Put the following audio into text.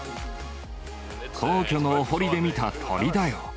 皇居のお堀で見た鳥だよ。